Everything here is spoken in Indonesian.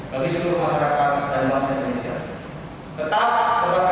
bagi seluruh masyarakat dan bangsa indonesia